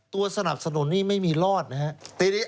สนับสนุนนี้ไม่มีรอดนะครับ